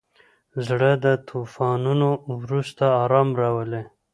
زړه د طوفانونو وروسته ارام راولي.